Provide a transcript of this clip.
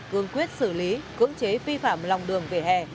cương quyết xử lý cưỡng chế vi phạm lòng đường vỉa hè